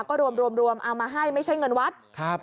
ก็รวมเอามาให้ไม่ใช่เงินวัด